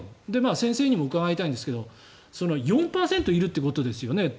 先生にも伺いたいんですが４％いるということですよね。